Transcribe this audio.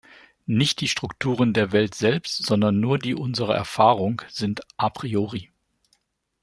Nicht die Strukturen der Welt selbst, sondern nur die unserer Erfahrung sind "a priori".